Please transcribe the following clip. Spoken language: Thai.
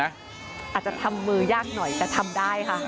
อาจจะทำมือยากหน่อยแต่ทำได้ค่ะ